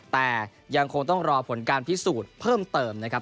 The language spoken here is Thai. แต่ยังคงต้องรอผลการพิสูจน์เพิ่มเติมนะครับ